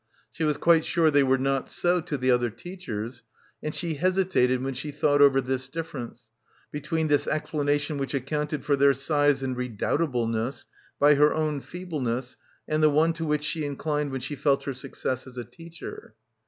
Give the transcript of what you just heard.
She was quite sure they were not so to the other teachers, and she hesitated when she thought over this difference, between the explanation which ac counted for their size and redoubtableness by her own feebleness and the one to which she in clined when she felt her success as a teacher.